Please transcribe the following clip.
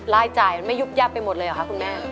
รายจ่ายมันไม่ยุบยับไปหมดเลยเหรอคะคุณแม่